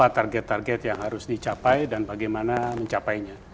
target target yang harus dicapai dan bagaimana mencapainya